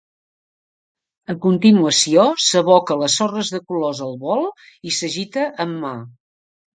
A continuació, s'aboca les sorres de colors al bol i s'agita amb mà.